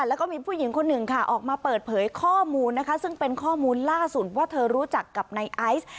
แล้วก็มีผู้หญิงคนหนึ่งค่ะออกมาเปิดเผยข้อมูลนะคะซึ่งเป็นข้อมูลล่าสุดว่าเธอรู้จักกับในไอซ์